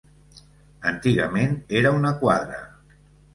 Antigament era una quadra.